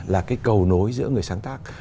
là cái cầu nối giữa người sáng tác